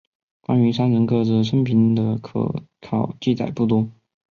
关于三人各自生平的可考记载不多。